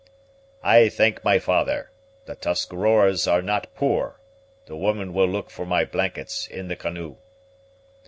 "I thank my father. The Tuscaroras are not poor. The woman will look for my blankets in the canoe."